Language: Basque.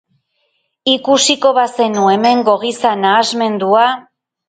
Ikusiko bazenu hemengo giza nahasmendua!